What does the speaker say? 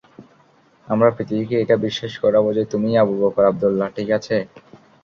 আমরা পৃথিবীকে এটা বিশ্বাস করাবো যে, তুমিই আবু বকর আবদুল্লাহ, ঠিক আছে?